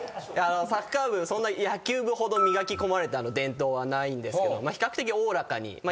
サッカー部そんな野球部ほど磨き込まれた伝統はないんですけど比較的おおらかに。